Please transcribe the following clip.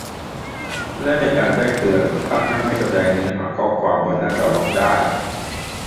และในการแจ้งเตือน ตั้งให้ไม่แสดงเนื้อหาข้อความบนหน้าจอล็อกได้